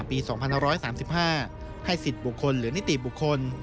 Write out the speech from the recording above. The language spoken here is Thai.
ปี๒๕๓๕ให้สิทธิ์บุคคลหรือนิติบุคคล